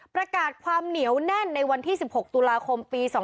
ประกาศความเหนียวแน่นในวันที่๑๖ตุลาคมปี๒๕๖